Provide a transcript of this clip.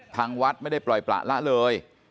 ทางวัดไม่ได้ปล่อยประละเลย